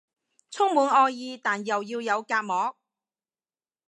充滿愛意但又要有隔膜